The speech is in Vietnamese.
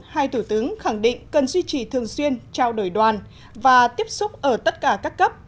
hai thủ tướng khẳng định cần duy trì thường xuyên trao đổi đoàn và tiếp xúc ở tất cả các cấp